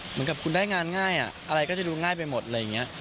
เหมือนกับคุณได้งานง่ายอะไรก็จะดูง่ายไปหมดอะไรอย่างนี้